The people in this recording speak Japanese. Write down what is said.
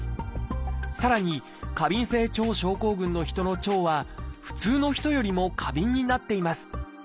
さらに過敏性腸症候群の人の腸は普通の人よりも過敏になっています。